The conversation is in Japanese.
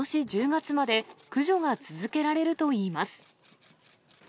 １０月まで、駆除が続けられるといいます。